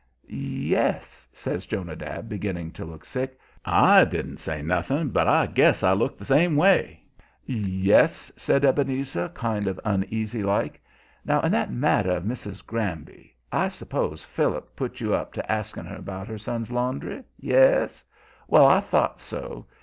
"Yes," says Jonadab, beginning to look sick. I didn't say nothing, but I guess I looked the same way. "Yes," said Ebenezer, kind of uneasy like; "Now, in that matter of Mrs. Granby. I s'pose Phil put you up to asking her about her son's laundry. Yes? Well, I thought so.